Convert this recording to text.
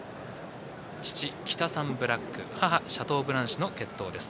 父、キタサンブラック母、シャトーブランシュの血統です。